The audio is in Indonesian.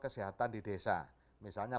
kesehatan di desa misalnya